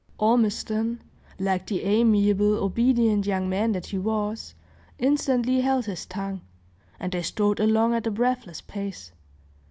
Ormiston, like the amiable, obedient young man that he was, instantly held his tongue, and they strode along at a breathless pace.